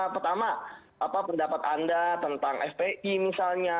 pertama pendapat anda tentang fpi misalnya